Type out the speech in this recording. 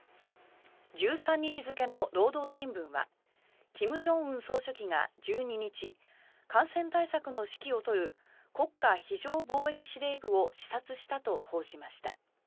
１３日付の労働新聞は金正恩総書記が１２日感染対策の指揮を執る国家非常防疫司令部を視察したと報じました。